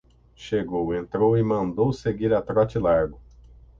Chegou, entrou e mandou seguir a trote largo.